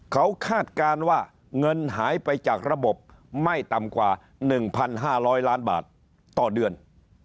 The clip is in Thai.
เขาคาดการณ์ว่าเงินหายไปจากระบบไม่ต่ำกว่า๑๕๐๐ล้านบาทต่อเดือน